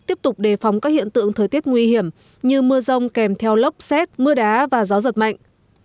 tiếp tục đề phóng các hiện tượng thời tiết nguy hiểm như mưa rông kèm theo lốc xét mưa đá và gió giật mạnh